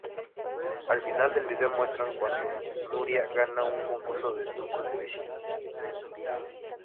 Al final del video muestran cuando Nuria gana un concurso de trucos de bici.